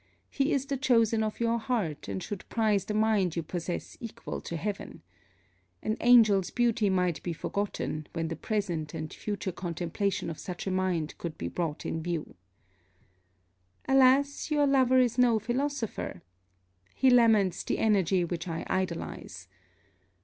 He is the chosen of your heart; and should prize the mind you possess equal to heaven. An Angel's beauty might be forgotten, when the present and future contemplation of such a mind could be brought in view. Alas, your lover is no philosopher! He laments the energy which I idolize.